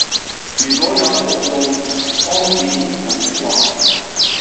如果有服用胺碘酮的話